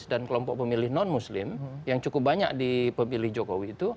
dan kelompok pemilih non muslim yang cukup banyak di pemilih jokowi itu